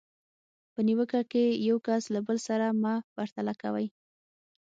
په نیوکه کې یو کس له بل سره مه پرتله کوئ.